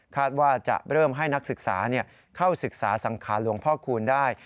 ว่าจะเริ่มให้นักศึกษาเข้าศึกษาสังขารหลวงพ่อคูณได้